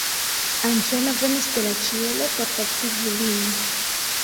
Anĝelo venis de la ĉielo por fortigi lin.